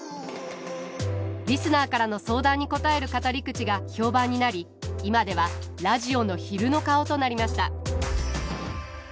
リスナーからの相談に答える語り口が評判になり今ではラジオの昼の顔となりました。